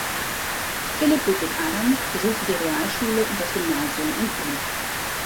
Philipp Ludwig Adam besuchte die Realschule und das Gymnasium in Ulm.